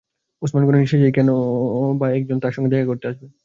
ওসমান গনি সোজে কেনই বা একজন তাঁর সঙ্গে দেখা করতে আসবে?